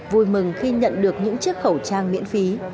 vui mừng khi nhận được những chiếc khẩu trang miễn phí